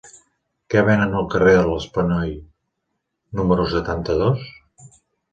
Què venen al carrer de l'Espinoi número setanta-dos?